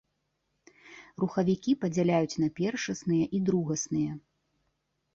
Рухавікі падзяляюць на першасныя і другасныя.